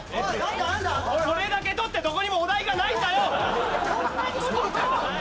これだけ取ってどこにもお題がないんだよ！